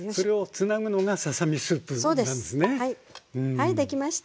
はいできました。